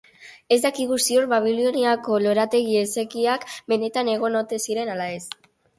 Ez dakigu ziur Babiloniako lorategi esekiak benetan egon ote ziren ala ez.